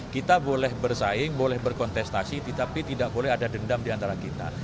kita boleh bersaing boleh berkontestasi tetapi tidak boleh ada dendam diantara kita